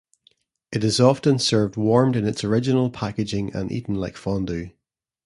It is often served warmed in its original packaging and eaten like fondue.